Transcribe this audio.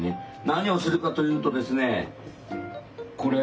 何をするかというとですねこれ。